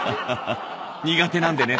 「苦手なんでね」